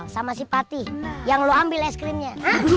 sama si pati yang lo ambil es krimnya